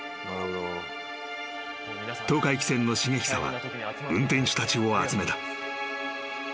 ［東海汽船の重久は運転手たちを集めた］